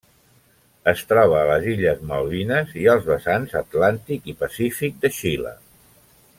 Es troba a les illes Malvines i els vessants atlàntic i pacífic de Xile.